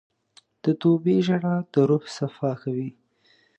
د توبې ژړا د روح صفا کوي.